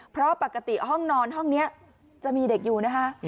เพราะปกติห้องนอนห้องนี้จะมีเด็กอยู่นะคะ